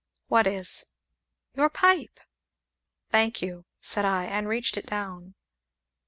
"What is?" "Your pipe!" "Thank you!" said I, and reached it down.